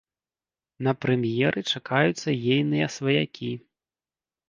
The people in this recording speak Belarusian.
На прэм'еры чакаюцца ейныя сваякі.